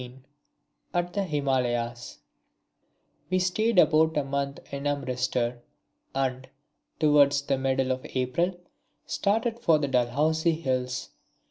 (15) At the Himalayas We stayed about a month in Amritsar, and, towards the middle of April, started for the Dalhousie Hills.